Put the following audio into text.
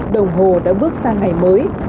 đồng hồ đã bước sang ngày mới